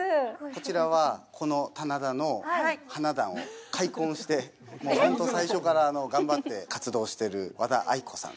こちらは、この棚田の花段を開墾してもうほんと最初から頑張って活動している和田あいこさん。